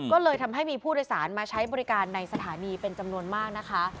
ก็เลยทำให้มีผู้โดยสารมาใช้บริการในสถานีเป็นจำนวนมากนะคะ